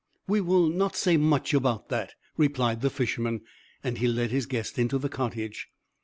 "We will not say much about that," replied the Fisherman; and he led his guest into the cottage.